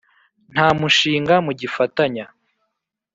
nta mushinga mugifatanya